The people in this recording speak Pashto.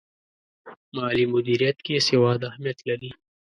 مالي مدیریت کې سواد اهمیت لري.